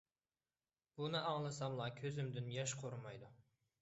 بۇنى ئاڭلىساملا كۆزۈمدىن ياش قۇرۇمايدۇ.